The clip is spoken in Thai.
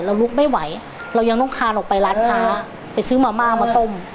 ลุกไม่ไหวเรายังต้องคานออกไปร้านค้าไปซื้อมาม่ามาต้ม